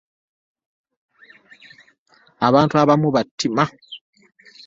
Abantu abamu battima.